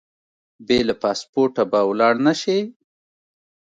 بې له پاسپورټه به ولاړ نه شې.